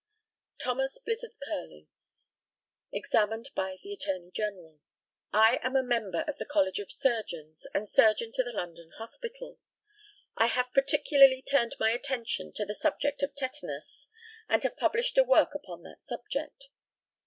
THOMAS BLIZARD CURLING, examined by the ATTORNEY GENERAL: I am a member of the College of Surgeons, and Surgeon to the London Hospital. I have particularly turned my attention to the subject of tetanus, and have published a work upon that subject.